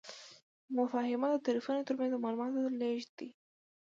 مفاهمه د طرفینو ترمنځ د معلوماتو لیږد دی.